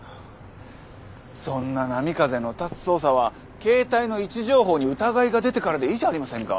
そんな波風の立つ捜査は携帯の位置情報に疑いが出てからでいいじゃありませんか。